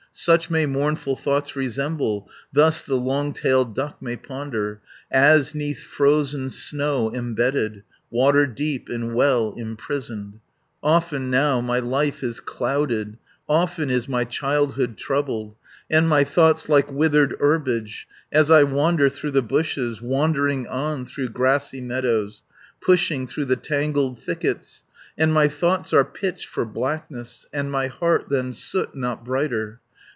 Such may mournful thoughts resemble, Thus the long tailed duck may ponder, As 'neath frozen snow embedded, Water deep in well imprisoned. "Often now my life is clouded. Often is my childhood troubled, 210 And my thoughts like withered herbage. As I wander through the bushes, Wandering on through grassy meadows, Pushing through the tangled thickets, And my thoughts are pitch for blackness And my heart than soot not brighter.